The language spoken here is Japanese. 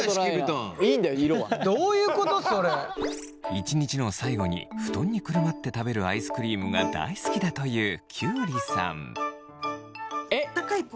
一日の最後に布団にくるまって食べるアイスクリームが大好きだというきゅうりさん。